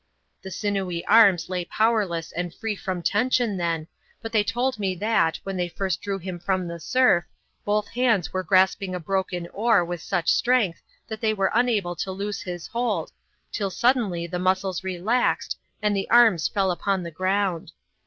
The sinewy arms lay powerless and free from tension then, but they told me that, when they first drew him from the surf, both hands were grasping a broken oar with such strength that they were unable to loose his hold, till suddenly the muscles relaxed, and the arms fell upon the ground.